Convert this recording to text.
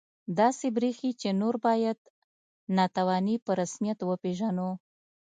داسې بریښي چې نور باید ناتواني په رسمیت وپېژنو